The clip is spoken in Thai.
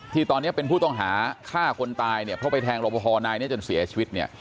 ที่ตอนนี้เป็นผู้ต้องหาฆ่าคนตายเนี่ยเพราะไปแทงรบพอนายนี้จนเสียชีวิตเนี่ย